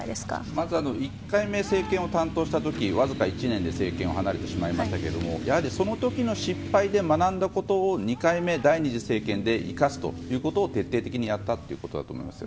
まず１回目政権を担当した時わずか１年で政権を離れてしまいましたがその時の失敗で学んだことを２回目、第２次政権で生かすということを徹底的にやったということだと思います。